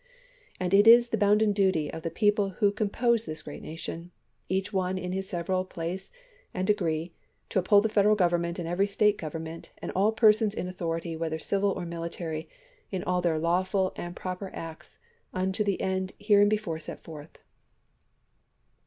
And it is the bounden duty of the people who compose this great nation, each one in his several place and degree, to uphold the Federal Government and every State government and all persons in authority, whether civil or military, in all their lawful and proper acts, unto the end hereinbefore set forth.